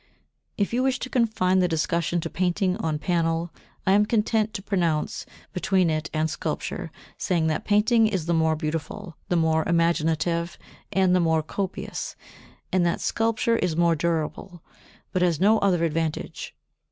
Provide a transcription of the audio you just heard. If you wish to confine the discussion to painting on panel I am content to pronounce between it and sculpture, saying, that painting is the more beautiful, the more imaginative and the more copious, and that sculpture is more durable, but has no other advantage.